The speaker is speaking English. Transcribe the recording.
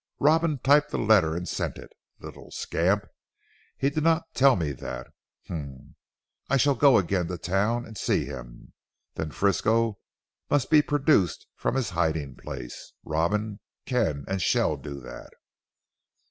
Robin typed the letter and sent it. The little scamp. He did not tell me that. Humph! I shall go again to town and see him. Then Frisco must be produced from his hiding place. Robin can and shall do that."